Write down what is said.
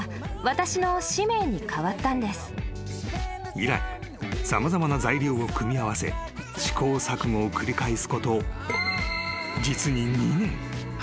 ［以来様々な材料を組み合わせ試行錯誤を繰り返すこと実に２年］